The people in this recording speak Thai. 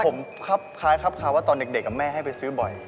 ผมครับคล้ายครับข่าวว่าตอนเด็กแม่ให้ไปซื้อบ่อย